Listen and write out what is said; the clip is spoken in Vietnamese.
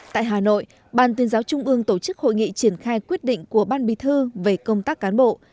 tại hà nội ban tuyên giáo trung ương tổ chức hội nghị triển khai quyết định của ban bí thư về công tác cán bộ